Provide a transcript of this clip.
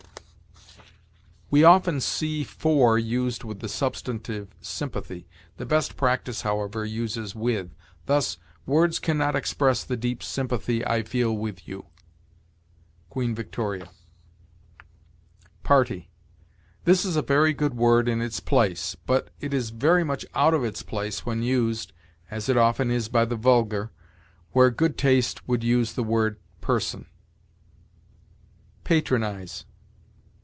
We often see for used with the substantive sympathy; the best practice, however, uses with; thus, "Words can not express the deep sympathy I feel with you." Queen Victoria. PARTY. This is a very good word in its place, but it is very much out of its place when used as it often is by the vulgar where good taste would use the word person. PATRONIZE.